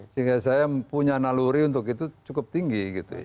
sehingga saya punya naluri untuk itu cukup tinggi